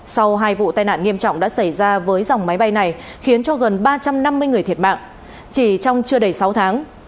sau hai vụ tai nạn nghiêm trọng đã xảy ra với dòng máy bay này khiến cho gần ba trăm năm mươi người thiệt mạng chỉ trong chưa đầy sáu tháng